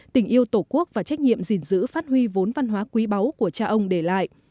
tình yêu tổ quốc và trách nhiệm gìn giữ phát huy vốn văn hóa quý báu của cha ông để lại